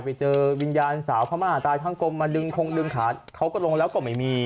ไปเจอวิญญาณสาวพม่าตายทั้งกลมมาดึงคงดึงขาเขาก็ลงแล้วก็ไม่มี